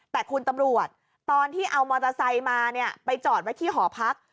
แต่คุณตำรวจตอนที่เอามอเตอร์ไซค์มาเนี่ยไปจอดไว้ที่หอพัก